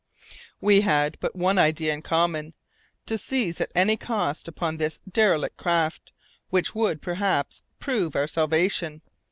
We had but one idea in common to seize at any cost upon this derelict craft, which would, perhaps, prove our salvation.